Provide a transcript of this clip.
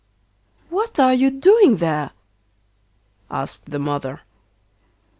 'What are you doing there?' asked the mother.